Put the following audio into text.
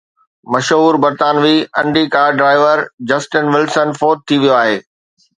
مشهور برطانوي Indy car driver Justin Wilson فوت ٿي ويو آهي